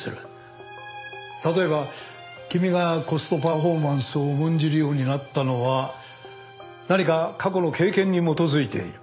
例えば君がコストパフォーマンスを重んじるようになったのは何か過去の経験に基づいている。